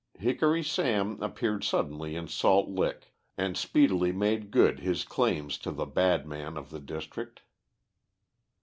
Hickory Sam appeared suddenly in Salt Lick, and speedily made good his claim to be the bad man of the district.